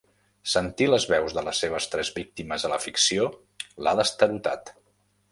Sentir les veus de les seves tres víctimes a la ficció l'ha destarotat.